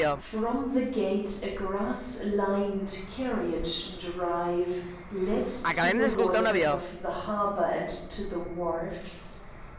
From the gate a grass lined carriage drive led to the waters of the harbor and the wharfs.